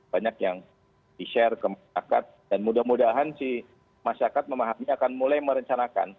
banyak yang di share ke masyarakat dan mudah mudahan si masyarakat memahami akan mulai merencanakan